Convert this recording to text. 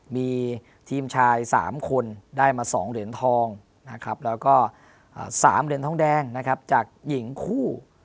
มีทีมชาย๓คนได้มา๒เหรียญทองนะครับแล้วก็๓เหรียญทองแดงนะครับจากหญิงคู่